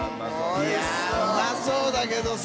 いやぁうまそうだけどさ。